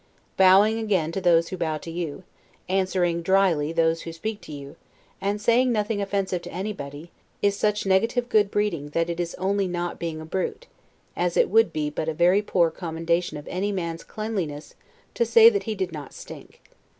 Bowing again to those who bow to you, answering dryly those who speak to you, and saying nothing offensive to anybody, is such negative good breeding that it is only not being a brute; as it would be but a very poor commendation of any man's cleanliness to say that he did not stink.